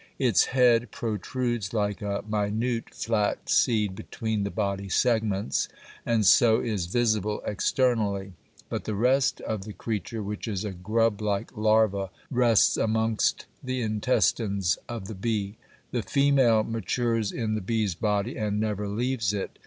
Its head protrudes like a minute flat seed between the body segments (fig. 21), and so is visible externally, but the rest of the creature, which is a grub like larva, rests amongst the intestines of the bee; the female matures in the bee's body and never leaves it.